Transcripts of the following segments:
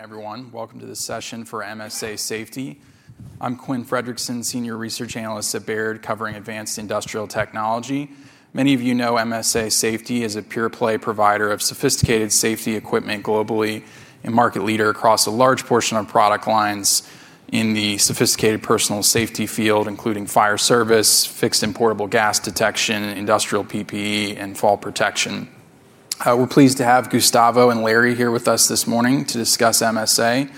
Everyone, welcome to the session for MSA Safety. I'm Quinn Fredrickson, senior research analyst at Baird covering advanced industrial technology. Many of you know MSA Safety is a pure play provider of sophisticated safety equipment globally and market leader across a large portion of product lines in the sophisticated personal safety field, including fire service, fixed and portable gas detection, industrial PPE and fall protection. We're pleased to have Gustavo and Larry here with us this morning to discuss MSA.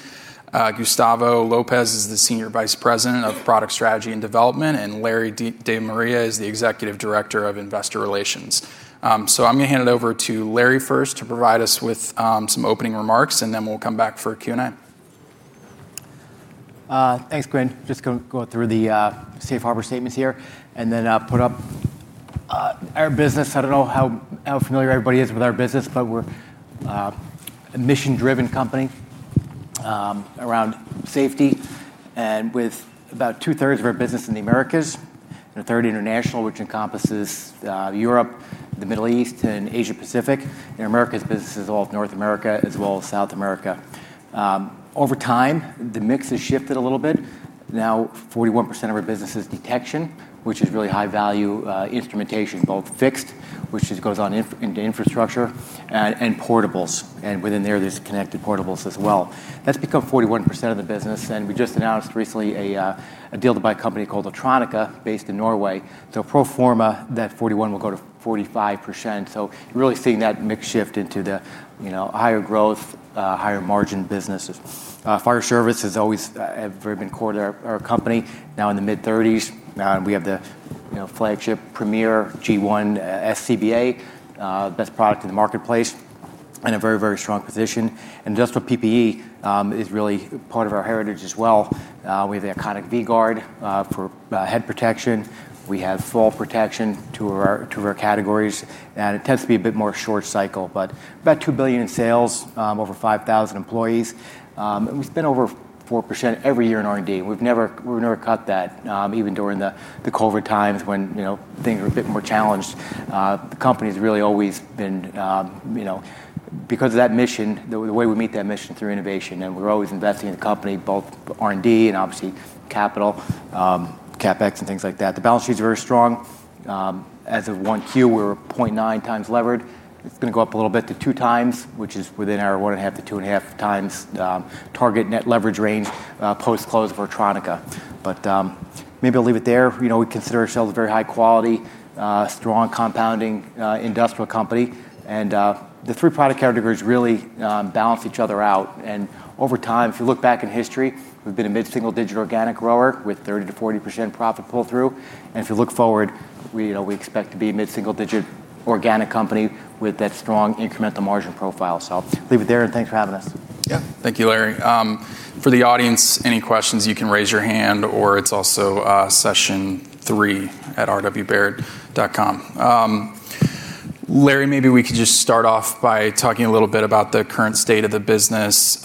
Gustavo Lopez is the Senior Vice President of Product Strategy and Development, and Larry De Maria is the Executive Director of Investor Relations. I'm going to hand it over to Larry first to provide us with some opening remarks, and then we'll come back for a Q&A. Thanks, Quinn. Just going to go through the safe harbor statements here and then put up our business. I don't know how familiar everybody is with our business, but we're a mission-driven company around safety and with about two-thirds of our business in the Americas and a third international, which encompasses Europe, the Middle East, and Asia-Pacific. In Americas business is all of North America as well as South America. Over time, the mix has shifted a little bit. Now 41% of our business is detection, which is really high-value instrumentation, both fixed, which goes on into infrastructure, and portables. Within there's connected portables as well. That's become 41% of the business. We just announced recently a deal to buy a company called Autronica based in Norway. Pro forma, that 41% will go to 45%. You're really seeing that mix shift into the higher growth, higher margin businesses. Fire service has always been core to our company, now in the mid-30s. We have the flagship Premier G1 SCBA, best product in the marketplace and a very strong position. Industrial PPE is really part of our heritage as well. We have the iconic V-Gard for head protection. We have fall protection, two of our categories, it tends to be a bit more short cycle. About $2 billion in sales, over 5,000 employees. We spend over 4% every year in R&D. We've never cut that, even during the COVID times when things were a bit more challenged. The company's really always been, because of that mission, the way we meet that mission through innovation, we're always investing in the company, both R&D and obviously capital, CapEx, and things like that. The balance sheet is very strong. As of 1Q, we're 0.9x levered. It's going to go up a little bit to 2 times, which is within our 1.5x-2.5x target net leverage range post-close of Autronica. Maybe I'll leave it there. We consider ourselves a very high-quality, strong compounding industrial company, and the three product categories really balance each other out. Over time, if you look back in history, we've been a mid-single digit organic grower with 30%-40% profit pull-through. If you look forward, we expect to be a mid-single digit organic company with that strong incremental margin profile. I'll leave it there, and thanks for having us. Yeah. Thank you, Larry. For the audience, any questions, you can raise your hand, or it's also session3@rwbaird.com. Larry, maybe we could just start off by talking a little bit about the current state of the business.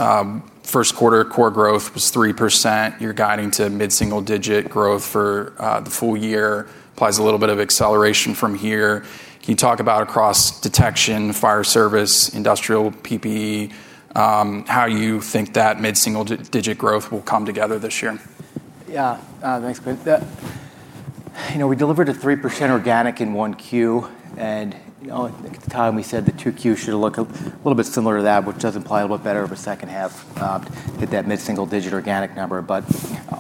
First quarter core growth was 3%. You're guiding to mid-single digit growth for the full year. Applies a little bit of acceleration from here. Can you talk about across detection, fire service, industrial PPE, how you think that mid-single digit growth will come together this year? Thanks, Quinn. We delivered a 3% organic in 1Q. At the time, we said the 2Q should look a little bit similar to that, which does imply a lot better of a second half, hit that mid-single digit organic number.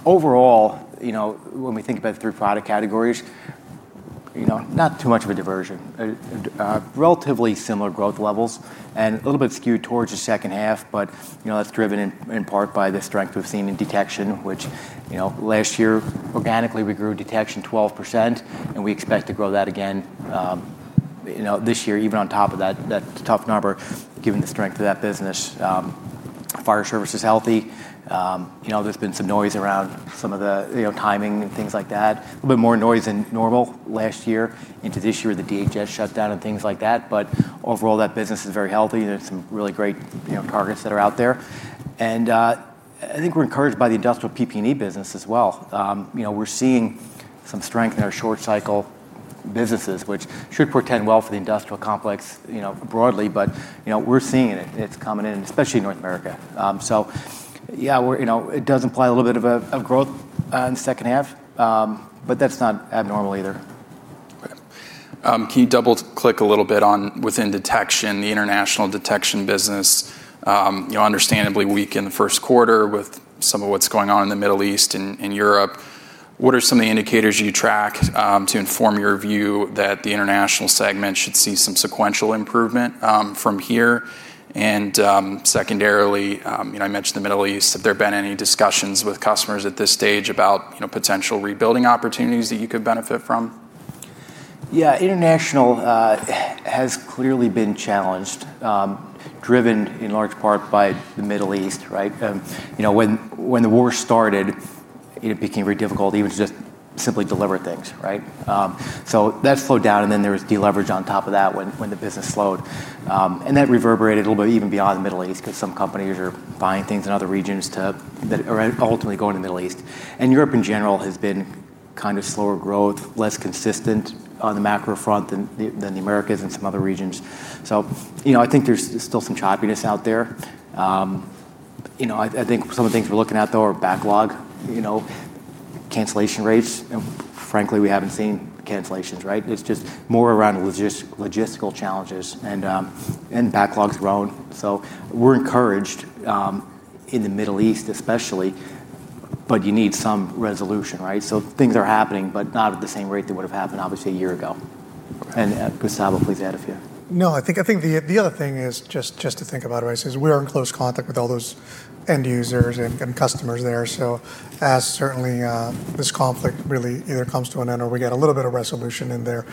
Overall, when we think about the three product categories, not too much of a diversion. Relatively similar growth levels and a little bit skewed towards the second half, but that's driven in part by the strength we've seen in detection, which last year, organically, we grew detection 12%, and we expect to grow that again this year, even on top of that tough number, given the strength of that business. Fire service is healthy. There's been some noise around some of the timing and things like that. A little bit more noise than normal last year into this year with the DHS shutdown and things like that. Overall, that business is very healthy. There's some really great targets that are out there. I think we're encouraged by the industrial PPE business as well. We're seeing some strength in our short cycle businesses, which should portend well for the industrial complex broadly, but we're seeing it. It's coming in, especially in North America. Yeah, it does imply a little bit of growth in the second half, but that's not abnormal either. Okay. Can you double-click a little bit on within detection, the international detection business, understandably weak in the first quarter with some of what's going on in the Middle East and Europe. What are some of the indicators you track to inform your view that the international segment should see some sequential improvement from here? Secondarily, I mentioned the Middle East. Have there been any discussions with customers at this stage about potential rebuilding opportunities that you could benefit from? Yeah. International has clearly been challenged, driven in large part by the Middle East, right? When the war started, it became very difficult even to just simply deliver things, right? That slowed down, and then there was deleverage on top of that when the business slowed. That reverberated a little bit even beyond the Middle East because some companies are buying things in other regions that are ultimately going to the Middle East. Europe in general has been kind of slower growth, less consistent on the macro front than the Americas and some other regions. I think there's still some choppiness out there. I think some of the things we're looking at, though, are backlog, cancellation rates, and frankly, we haven't seen cancellations, right? It's just more around logistical challenges and backlogs growing. We're encouraged in the Middle East, especially, but you need some resolution, right? Things are happening, but not at the same rate they would've happened, obviously, a year ago. Gustavo, please add a few. No, I think the other thing is, just to think about it, right, is we are in close contact with all those end users and customers there. As certainly this conflict really either comes to an end or we get a little bit of resolution in there,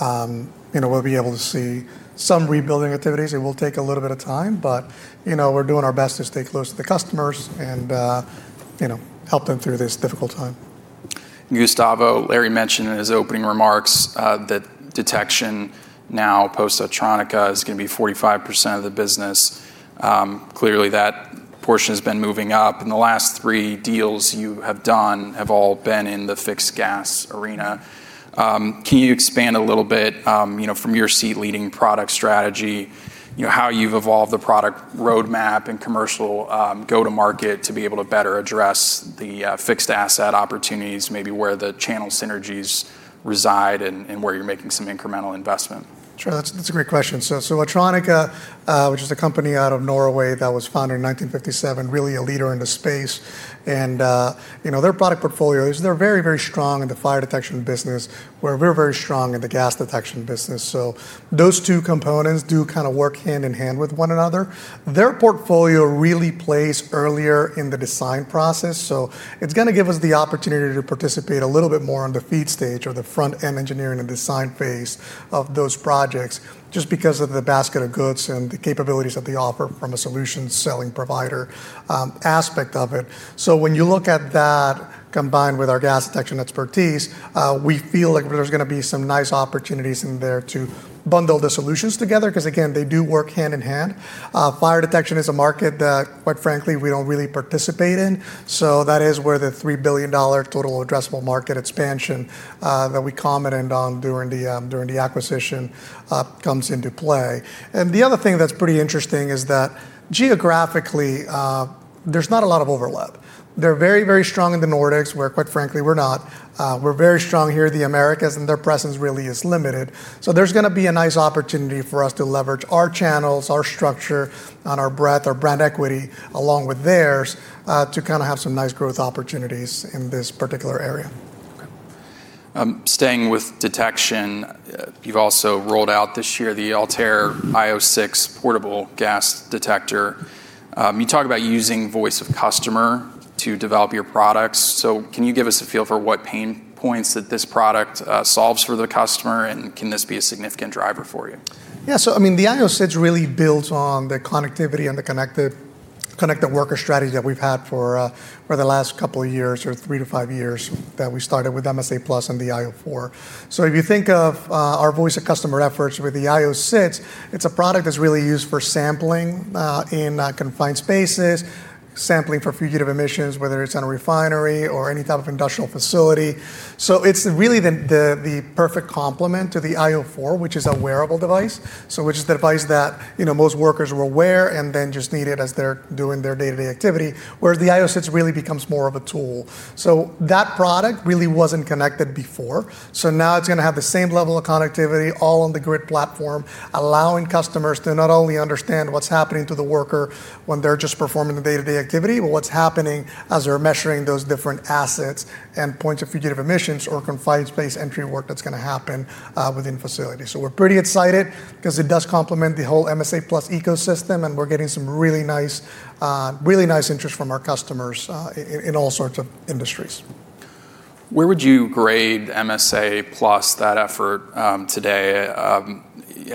we'll be able to see some rebuilding activities. It will take a little bit of time, but we're doing our best to stay close to the customers and help them through this difficult time. Gustavo, Larry mentioned in his opening remarks that detection now post-Autronica is going to be 45% of the business. Clearly that portion has been moving up, and the last three deals you have done have all been in the fixed gas arena. Can you expand a little bit, from your seat leading product strategy, how you've evolved the product roadmap and commercial go-to-market to be able to better address the fixed asset opportunities, maybe where the channel synergies reside and where you're making some incremental investment? Sure. That's a great question. Autronica, which is a company out of Norway that was founded in 1957, really a leader in the space, and their product portfolio is they're very, very strong in the fire detection business, where we're very strong in the gas detection business. Those two components do kind of work hand-in-hand with one another. Their portfolio really plays earlier in the design process, so it's going to give us the opportunity to participate a little bit more on the FEED stage or the front-end engineering and design phase of those projects, just because of the basket of goods and the capabilities that they offer from a solutions-selling provider aspect of it. When you look at that, combined with our gas detection expertise, we feel like there's going to be some nice opportunities in there to bundle the solutions together. Again, they do work hand-in-hand. Fire detection is a market that, quite frankly, we don't really participate in. That is where the $3 billion total addressable market expansion that we commented on during the acquisition comes into play. The other thing that's pretty interesting is that geographically, there's not a lot of overlap. They're very, very strong in the Nordics, where, quite frankly, we're not. We're very strong here in the Americas, and their presence really is limited. There's going to be a nice opportunity for us to leverage our channels, our structure, and our breadth, our brand equity, along with theirs, to kind of have some nice growth opportunities in this particular area. Okay. Staying with detection, you've also rolled out this year the ALTAIR io 6 portable gas detector. You talk about using voice of customer to develop your products. Can you give us a feel for what pain points that this product solves for the customer, and can this be a significant driver for you? Yeah. The io 6 really builds on the connectivity and the connected worker strategy that we've had for the last couple of years, or three to five years, that we started with MSA+ and the io 4. If you think of our voice of customer efforts with the io 6, it's a product that's really used for sampling in confined spaces, sampling for fugitive emissions, whether it's in a refinery or any type of industrial facility. It's really the perfect complement to the io 4, which is a wearable device. Which is the device that most workers will wear and then just need it as they're doing their day-to-day activity. Whereas the io 6 really becomes more of a tool. That product really wasn't connected before. Now it's going to have the same level of connectivity all on the Grid platform, allowing customers to not only understand what's happening to the worker when they're just performing the day-to-day activity, but what's happening as they're measuring those different assets and points of fugitive emissions or confined space entry work that's going to happen within facilities. We're pretty excited because it does complement the whole MSA+ ecosystem, and we're getting some really nice interest from our customers in all sorts of industries. Where would you grade MSA+, that effort today?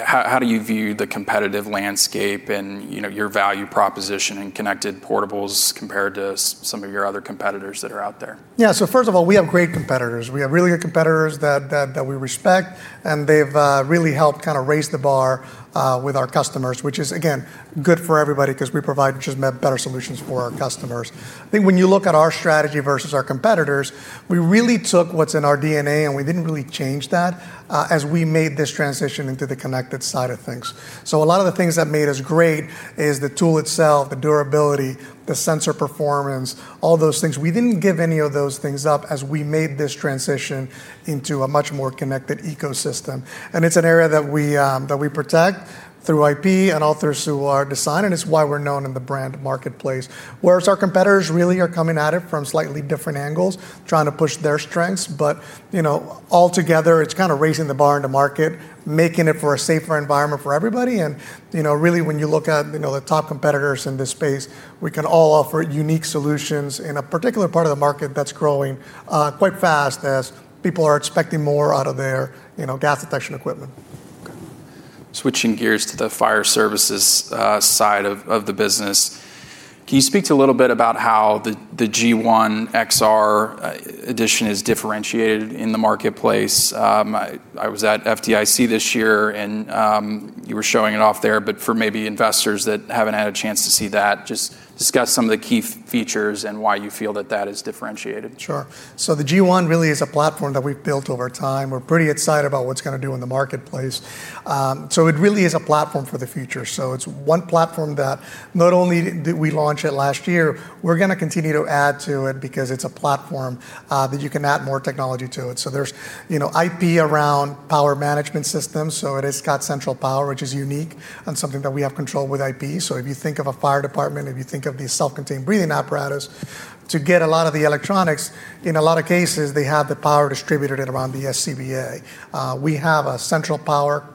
How do you view the competitive landscape and your value proposition in connected portables compared to some of your other competitors that are out there? First of all, we have great competitors. We have really good competitors that we respect, and they've really helped kind of raise the bar with our customers, which is, again, good for everybody because we provide just better solutions for our customers. When you look at our strategy versus our competitors, we really took what's in our DNA, and we didn't really change that as we made this transition into the connected side of things. A lot of the things that made us great is the tool itself, the durability, the sensor performance, all those things. We didn't give any of those things up as we made this transition into a much more connected ecosystem. It's an area that we protect through IP and also through our design, and it's why we're known in the brand marketplace. Our competitors really are coming at it from slightly different angles, trying to push their strengths. Altogether, it's kind of raising the bar in the market, making it for a safer environment for everybody, really when you look at the top competitors in this space, we can all offer unique solutions in a particular part of the market that's growing quite fast as people are expecting more out of their gas detection equipment. Okay. Switching gears to the fire services side of the business. Can you speak a little bit about how the G1 XR edition is differentiated in the marketplace? I was at FDIC this year, and you were showing it off there, but for maybe investors that haven't had a chance to see that, just discuss some of the key features and why you feel that that is differentiated. Sure. The G1 really is a platform that we've built over time. We're pretty excited about what it's going to do in the marketplace. It really is a platform for the future. It's one platform that not only did we launch it last year, we're going to continue to add to it because it's a platform that you can add more technology to it. There's IP around power management systems, so it has got central power, which is unique, and something that we have control with IP. If you think of a fire department, if you think of the self-contained breathing apparatus, to get a lot of the electronics, in a lot of cases, they have the power distributed around the SCBA. We have a central power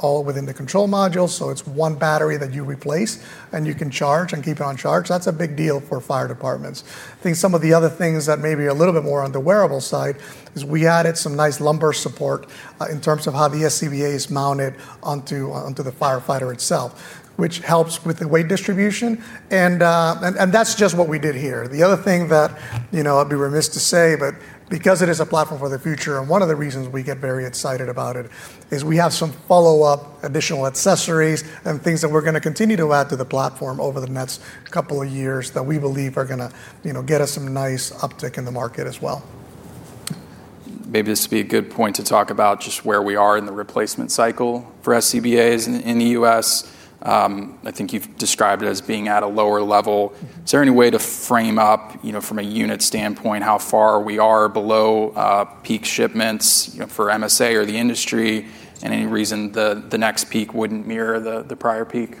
all within the control module, so it's one battery that you replace, and you can charge and keep it on charge. That's a big deal for fire departments. I think some of the other things that may be a little bit more on the wearable side is we added some nice lumbar support in terms of how the SCBA is mounted onto the firefighter itself, which helps with the weight distribution, and that's just what we did here. The other thing that I'd be remiss to say, but because it is a platform for the future, and one of the reasons we get very excited about it is we have some follow-up additional accessories and things that we're going to continue to add to the platform over the next couple of years that we believe are going to get us some nice uptick in the market as well. Maybe this would be a good point to talk about just where we are in the replacement cycle for SCBAs in the U.S. I think you've described it as being at a lower level. Is there any way to frame up, from a unit standpoint, how far we are below peak shipments for MSA or the industry, and any reason the next peak wouldn't mirror the prior peak?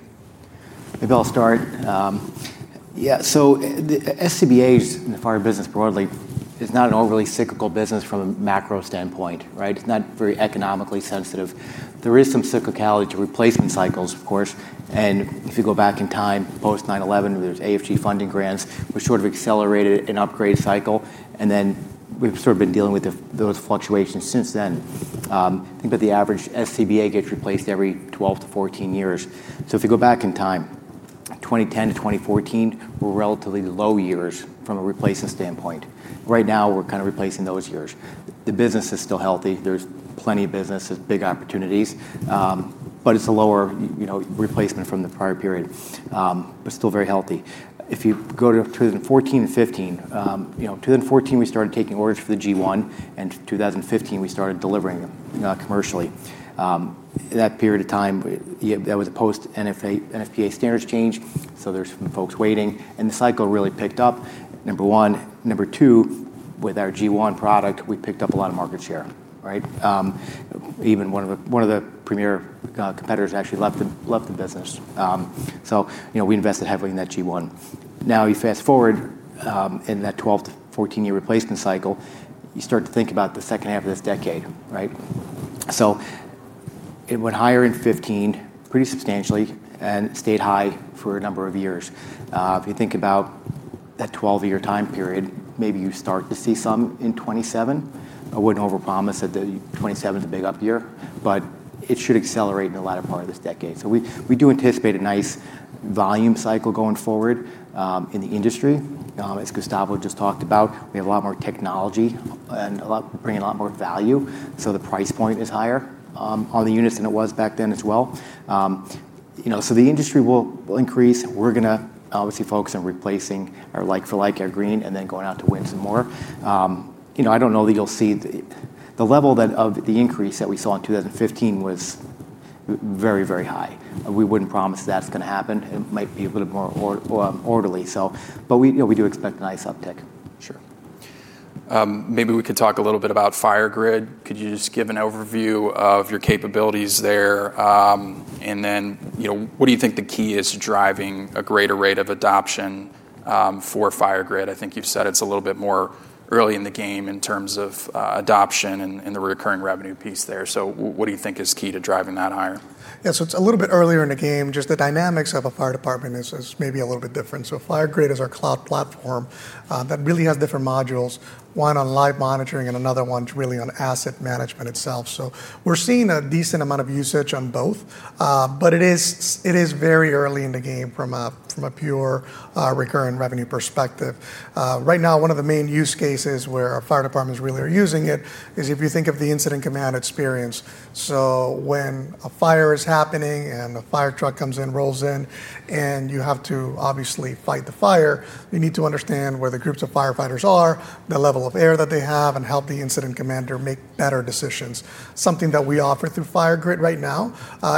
Maybe I'll start. The SCBAs and the fire business broadly is not an overly cyclical business from a macro standpoint, right? It's not very economically sensitive. There is some cyclicality to replacement cycles, of course, and if you go back in time, post 9/11, there's AFG funding grants, which sort of accelerated an upgrade cycle, and then we've sort of been dealing with those fluctuations since then. Think that the average SCBA gets replaced every 12-14 years. If you go back in time, 2010 to 2014 were relatively low years from a replacement standpoint. Right now, we're kind of replacing those years. The business is still healthy. There's plenty of business. There's big opportunities, but it's a lower replacement from the prior period, but still very healthy. If you go to 2014 and 2015, 2014, we started taking orders for the G1, and 2015, we started delivering them commercially. That period of time, that was a post-NFPA standards change. There's some folks waiting, and the cycle really picked up, number one. Number two, with our G1 product, we picked up a lot of market share, right? Even one of the premier competitors actually left the business. We invested heavily in that G1. Now you fast-forward in that 12-14-year replacement cycle, you start to think about the second half of this decade, right? It went higher in 2015, pretty substantially, and stayed high for a number of years. If you think about that 12-year time period, maybe you start to see some in 2027. I wouldn't overpromise that 2027's a big up year, but it should accelerate in the latter part of this decade. We do anticipate a nice volume cycle going forward in the industry. As Gustavo just talked about, we have a lot more technology and bringing a lot more value, so the price point is higher on the units than it was back then as well. The industry will increase. We're going to obviously focus on replacing our like for like AirGreen, and then going out to win some more. I don't know that you'll see the level of the increase that we saw in 2015 was very, very high. We wouldn't promise that's going to happen. It might be a little bit more orderly. We do expect a nice uptick. Sure. Maybe we could talk a little bit about FireGrid. Could you just give an overview of your capabilities there? What do you think the key is to driving a greater rate of adoption for FireGrid? I think you've said it's a little bit more early in the game in terms of adoption and the recurring revenue piece there. What do you think is key to driving that higher? It's a little bit earlier in the game, just the dynamics of a fire department is maybe a little bit different. FireGrid is our cloud platform that really has different modules, one on live monitoring and another one really on asset management itself. We're seeing a decent amount of usage on both. It is very early in the game from a pure recurring revenue perspective. Right now, one of the main use cases where our fire departments really are using it is if you think of the incident command experience. When a fire is happening and a fire truck comes in, rolls in, and you have to obviously fight the fire, you need to understand where the groups of firefighters are, the level of air that they have, and help the incident commander make better decisions. Something that we offer through FireGrid right now,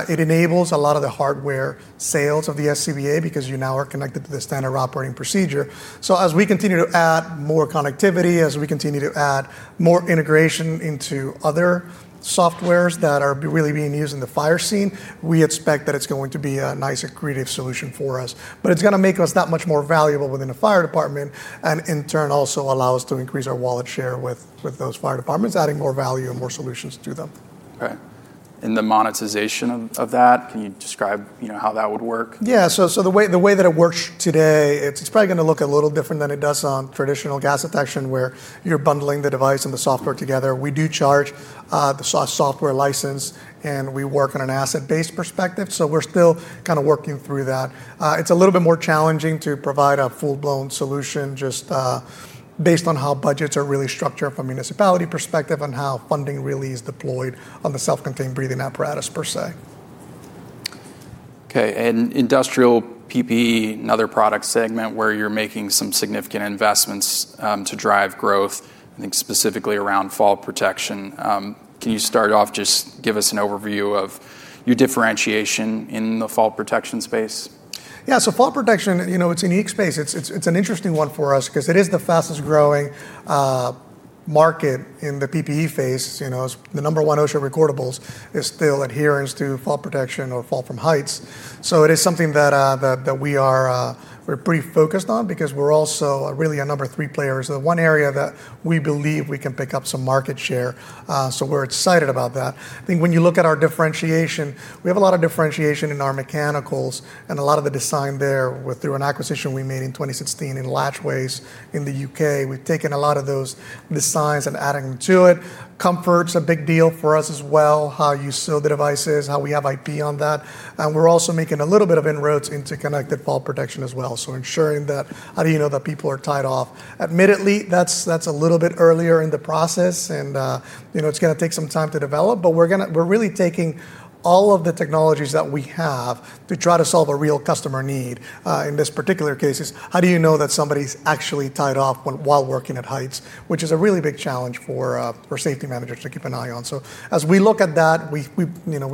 it enables a lot of the hardware sales of the SCBA because you now are connected to the standard operating procedure. As we continue to add more connectivity, as we continue to add more integration into other softwares that are really being used in the fire scene, we expect that it's going to be a nice accretive solution for us. It's going to make us that much more valuable within a fire department, and in turn, also allow us to increase our wallet share with those fire departments, adding more value and more solutions to them. Okay. In the monetization of that, can you describe how that would work? The way that it works today, it's probably going to look a little different than it does on traditional gas detection, where you're bundling the device and the software together. We do charge the software license, and we work on an asset-based perspective, so we're still kind of working through that. It's a little bit more challenging to provide a full-blown solution, just based on how budgets are really structured from a municipality perspective, on how funding really is deployed on the self-contained breathing apparatus, per se. Okay, industrial PPE, another product segment where you're making some significant investments to drive growth, I think specifically around fall protection. Can you start off, just give us an overview of your differentiation in the fall protection space? Fall protection, it's a unique space. It's an interesting one for us because it is the fastest-growing market in the PPE phase. The number one OSHA recordables is still adherence to fall protection or fall from heights. It is something that we're pretty focused on because we're also really a number three player. It's the one area that we believe we can pick up some market share. We're excited about that. I think when you look at our differentiation, we have a lot of differentiation in our mechanicals and a lot of the design there through an acquisition we made in 2016 in Latchways in the U.K. We've taken a lot of those designs and adding to it. Comfort's a big deal for us as well, how you seal the devices, how we have IP on that. We're also making a little bit of inroads into connected fall protection as well. Ensuring that how do you know that people are tied off. Admittedly, that's a little bit earlier in the process and it's going to take some time to develop, but we're really taking all of the technologies that we have to try to solve a real customer need. In this particular case it's how do you know that somebody's actually tied off while working at heights, which is a really big challenge for safety managers to keep an eye on. As we look at that, we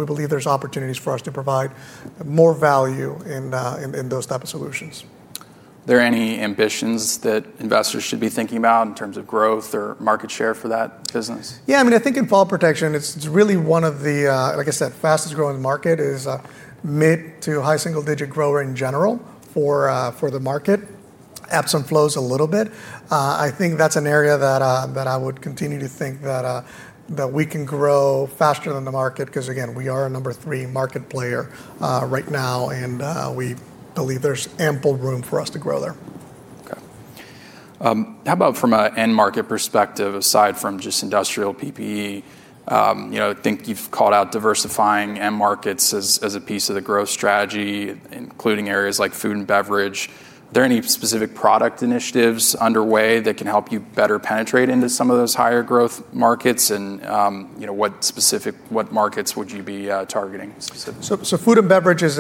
believe there's opportunities for us to provide more value in those type of solutions. There any ambitions that investors should be thinking about in terms of growth or market share for that business? I think in fall protection, it's really one of the, like I said, fastest growing market. It is a mid- to high single-digit grower in general for the market. Ebbs and flows a little bit. I think that's an area that I would continue to think that we can grow faster than the market because, again, we are a number three market player right now, and we believe there's ample room for us to grow there. Okay. How about from an end market perspective, aside from just industrial PPE? I think you've called out diversifying end markets as a piece of the growth strategy, including areas like food and beverage. Are there any specific product initiatives underway that can help you better penetrate into some of those higher growth markets, and what markets would you be targeting specifically? Food and beverage is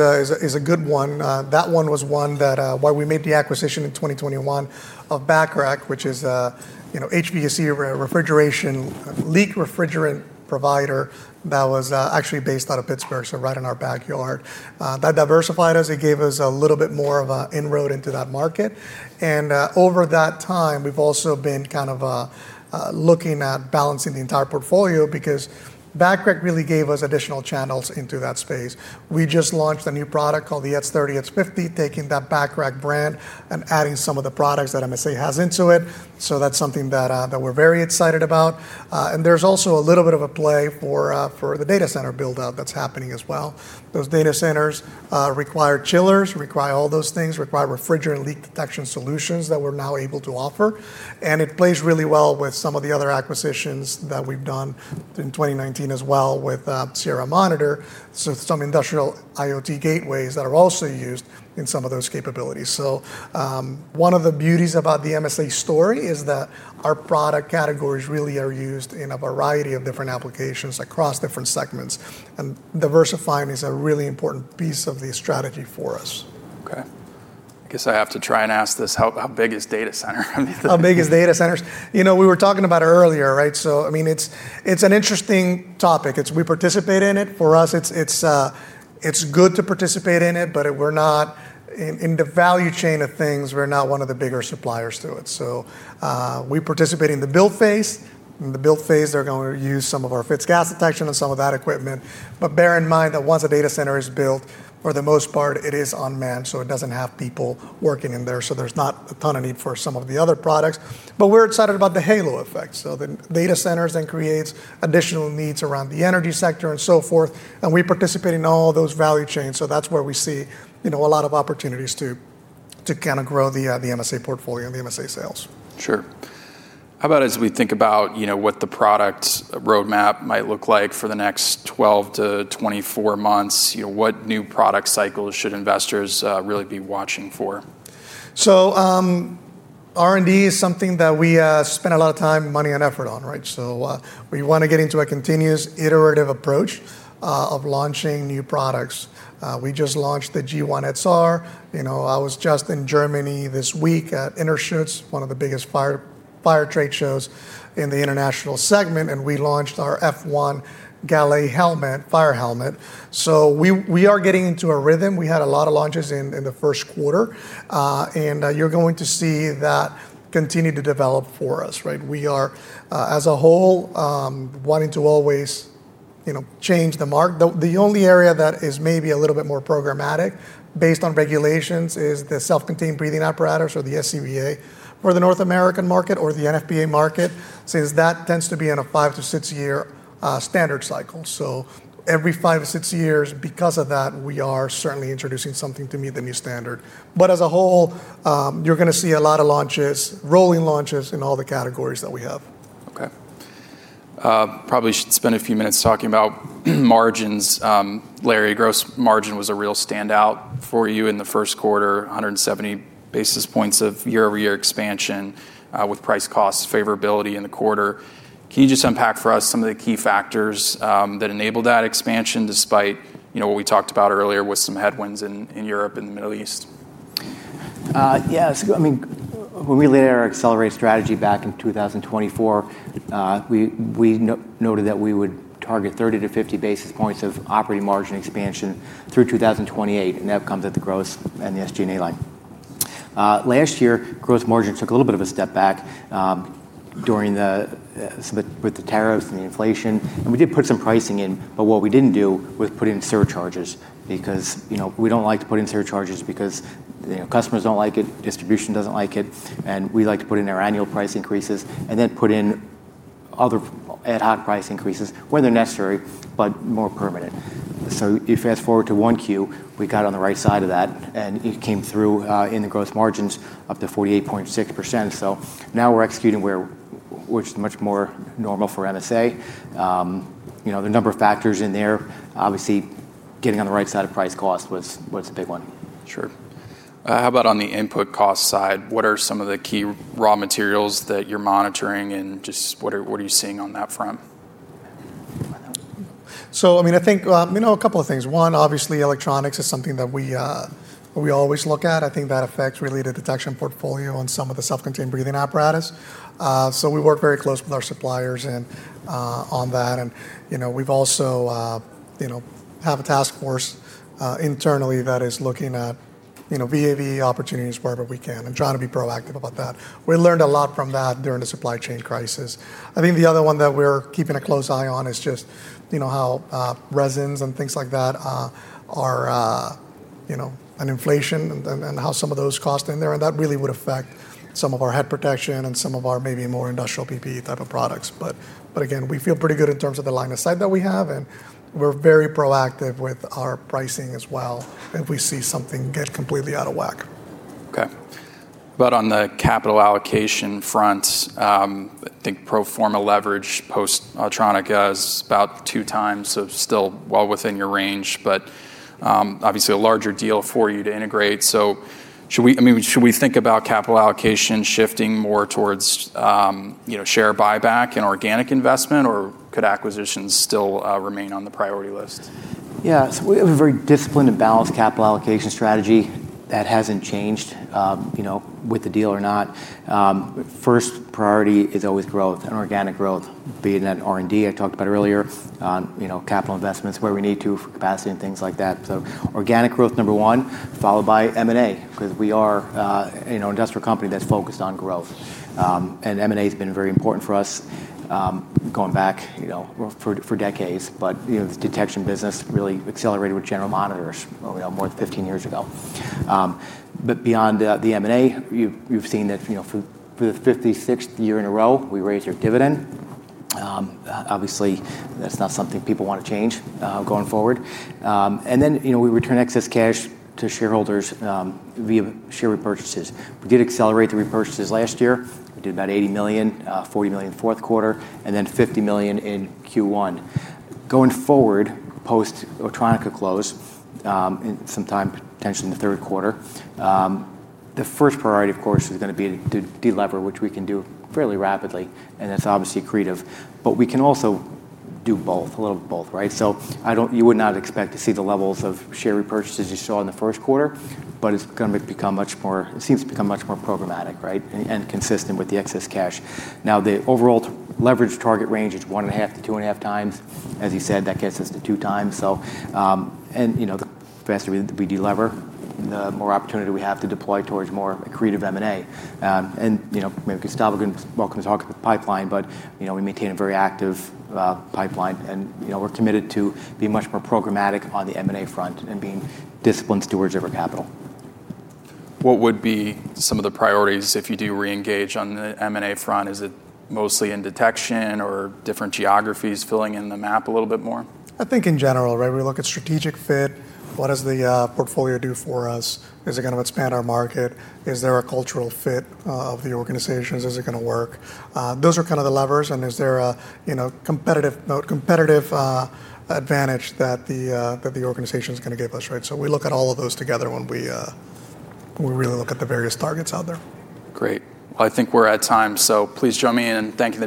a good one. That one was one that while we made the acquisition in 2021 of Bacharach, which is HVAC refrigeration, leak refrigerant provider that was actually based out of Pittsburgh, so right in our backyard. That diversified us. It gave us a little bit more of an inroad into that market. Over that time, we've also been kind of looking at balancing the entire portfolio because Bacharach really gave us additional channels into that space. We just launched a new product called the X30, X50, taking that Bacharach brand and adding some of the products that MSA has into it. That's something that we're very excited about. There's also a little bit of a play for the data center build-out that's happening as well. Those data centers require chillers, require all those things, require refrigerant leak detection solutions that we're now able to offer. It plays really well with some of the other acquisitions that we've done in 2019 as well with Sierra Monitor. Some industrial IoT gateways that are also used in some of those capabilities. One of the beauties about the MSA story is that our product categories really are used in a variety of different applications across different segments, and diversifying is a really important piece of the strategy for us. Okay. I guess I have to try and ask this, how big is data center? How big is data centers? We were talking about it earlier, right? It's an interesting topic. We participate in it. For us, it's good to participate in it, but we're not in the value chain of things. We're not one of the bigger suppliers to it. We participate in the build phase. In the build phase, they're going to use some of our fixed gas detection and some of that equipment. Bear in mind that once a data center is built, for the most part, it is unmanned, so it doesn't have people working in there. There's not a ton of need for some of the other products. We're excited about the halo effect. The data centers then creates additional needs around the energy sector and so forth, and we participate in all those value chains. That's where we see a lot of opportunities to kind of grow the MSA portfolio and the MSA sales. Sure. How about as we think about what the product roadmap might look like for the next 12-24 months, what new product cycles should investors really be watching for? R&D is something that we spend a lot of time, money, and effort on, right? We want to get into a continuous iterative approach of launching new products. We just launched the G1 XR. I was just in Germany this week at INTERSCHUTZ, one of the biggest fire trade shows in the international segment, and we launched our F1 Gallet helmet, fire helmet. We are getting into a rhythm. We had a lot of launches in the first quarter. You're going to see that continue to develop for us, right? We are, as a whole, wanting to always change the mark. The only area that is maybe a little bit more programmatic based on regulations is the self-contained breathing apparatus, or the SCBA, for the North American market or the NFPA market. Since that tends to be in a five to six year standard cycle. Every five to six years because of that, we are certainly introducing something to meet the new standard. As a whole, you're going to see a lot of launches, rolling launches in all the categories that we have. Okay. Probably should spend a few minutes talking about margins. Larry, gross margin was a real standout for you in the first quarter, 170 basis points of year-over-year expansion, with price costs favorability in the quarter. Can you just unpack for us some of the key factors that enabled that expansion, despite what we talked about earlier with some headwinds in Europe and the Middle East? When we laid out our accelerate strategy back in 2024, we noted that we would target 30 basis points-50 basis points of operating margin expansion through 2028, and that comes at the gross and the SG&A line. Last year, gross margin took a little bit of a step back with the tariffs and the inflation. We did put some pricing in, but what we didn't do was put in surcharges because we don't like to put in surcharges because customers don't like it, distribution doesn't like it, and we like to put in our annual price increases, and then put in other ad hoc price increases when they're necessary, but more permanent. You fast-forward to 1Q, we got on the right side of that, and it came through, in the gross margins up to 48.6%. Now we're executing where, which is much more normal for MSA. There are a number of factors in there. Obviously, getting on the right side of price cost was a big one. Sure. How about on the input cost side? What are some of the key raw materials that you're monitoring, and just what are you seeing on that front? I think, a couple of things. One, obviously, electronics is something that we always look at. I think that affects really the detection portfolio on some of the self-contained breathing apparatus. We work very closely with our suppliers on that. We also have a task force internally that is looking at VAVE opportunities wherever we can and try to be proactive about that. We learned a lot from that during the supply chain crisis. I think the other one that we're keeping a close eye on is just how resins and things like that, and inflation, and how some of those cost in there, and that really would affect some of our head protection and some of our maybe more industrial PPE type of products. Again, we feel pretty good in terms of the line of sight that we have, and we're very proactive with our pricing as well if we see something get completely out of whack. Okay. On the capital allocation front, I think pro forma leverage post-Autronica is about two times, so still well within your range, but obviously a larger deal for you to integrate. Should we think about capital allocation shifting more towards share buyback and organic investment, or could acquisitions still remain on the priority list? We have a very disciplined and balanced capital allocation strategy. That hasn't changed with the deal or not. First priority is always growth and organic growth, be that R&D I talked about earlier, capital investments where we need to for capacity and things like that. Organic growth, number one, followed by M&A, because we are an industrial company that's focused on growth. M&A has been very important for us, going back for decades. The detection business really accelerated with General Monitors more than 15 years ago. Beyond the M&A, you've seen that for the 56th year in a row, we raised our dividend. Obviously, that's not something people want to change going forward. We return excess cash to shareholders via share repurchases. We did accelerate the repurchases last year. We did about $80 million, $40 million fourth quarter, and then $50 million in Q1. Going forward, post-Autronica close, sometime potentially in the third quarter, the first priority, of course, is going to be to delever, which we can do fairly rapidly, and that's obviously accretive. We can also do both, a little of both, right? You would not expect to see the levels of share repurchases you saw in the first quarter, but it seems to become much more programmatic, right? Consistent with the excess cash. Now, the overall leverage target range is 1.5x-2.5 times. As you said, that gets us to 2x. The faster we delever, the more opportunity we have to deploy towards more accretive M&A. Maybe Gustavo can welcome to talk with the pipeline, but we maintain a very active pipeline, and we're committed to being much more programmatic on the M&A front and being disciplined stewards of our capital. What would be some of the priorities if you do reengage on the M&A front? Is it mostly in detection or different geographies filling in the map a little bit more? I think in general, right? We look at strategic fit. What does the portfolio do for us? Is it going to expand our market? Is there a cultural fit of the organizations? Is it going to work? Those are kind of the levers, and is there a competitive advantage that the organization's going to give us, right? We look at all of those together when we really look at the various targets out there. Great. I think we're at time, so please join me in thanking-